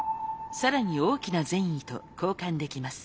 更に大きな善意と交換できます。